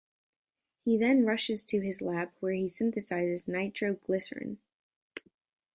He then rushes to his lab, where he synthesizes nitroglycerin.